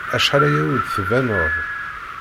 Acḥal aya ur d-tbaned.